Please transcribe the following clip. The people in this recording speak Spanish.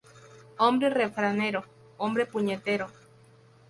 Hombre refranero, hombre puñetero